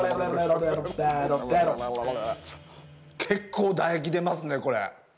結構唾液出ますねこれ。